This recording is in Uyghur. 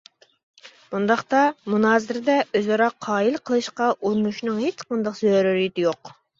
بۇنداقتا، مۇنازىرىدە ئۆزئارا قايىل قىلىشقا ئۇرۇنۇشنىڭ ھېچقانداق زۆرۈرىيىتى يوق.